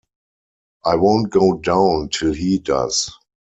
I won't go down till he does.